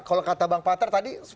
kalau kata bang pater tadi